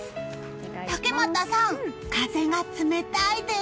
竹俣さん、風が冷たいです。